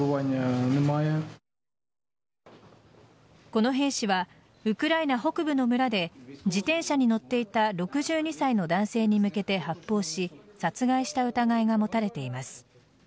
この兵士はウクライナ北部の村で自転車に乗っていた６２歳の男性に向けて発砲し殺害した疑いが持たれています。